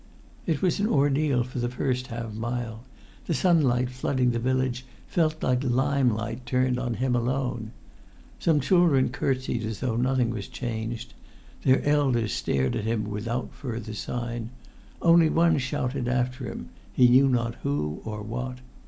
It was an ordeal for the first half mile: the sunlight flooding the village felt like limelight turned on him alone. Some children courtesied as though nothing was changed; their elders stared at him without further sign; only one shouted after him, he knew not who or what.